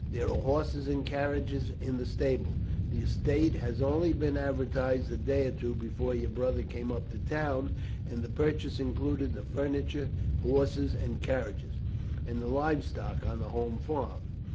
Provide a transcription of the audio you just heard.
There are horses and carriages in the stable. The estate had only been advertised a day or two before your brother came up to town, and the purchase included the furniture, horses and carriages, and the live stock on the home farm.